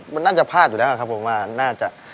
มันน่าจะพลาดอยู่แล้วครับผมว่าน่าจะ